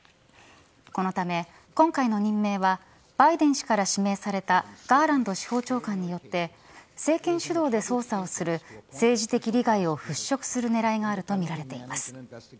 このため今回の任命はバイデン氏から指名されたガーランド司法長官によって政権主導で捜査をする政治的利害を払拭する狙いがあるとみられています。